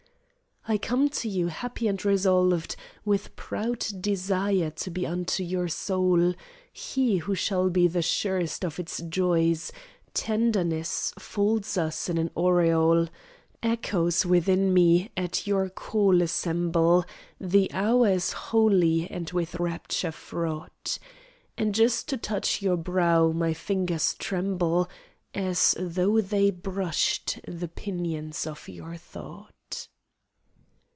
I come to you happy and resolved With proud desire to be unto your soul He who shall be the surest of its joys. Tenderness folds us in an aureole; Echoes, within me, at your call assemble; The hour is holy and with rapture fraught, And just to touch your brow my fingers tremble, As though they brushed the pinions of your thought.